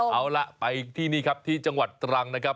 เอาล่ะไปที่นี่ครับที่จังหวัดตรังนะครับ